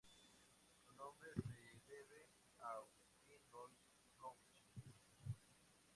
Su nombre se debe a Augustin Louis Cauchy.